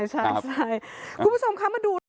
ใช่คุณผู้ชมคะมาดู